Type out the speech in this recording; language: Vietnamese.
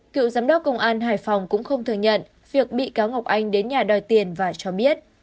cựu giám đốc công an hải phòng cũng không thừa nhận việc bị cáo ngọc anh đến nhà đòi tiền và cho biết